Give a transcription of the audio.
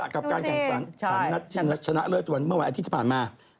กับการแข่งขันนัดชนะเลือกจนเมื่อวานอาทิตย์ที่ผ่านมา